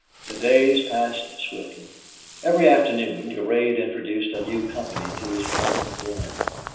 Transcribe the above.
The days passed swiftly. Every afternoon Durade introduced a new company to his private den.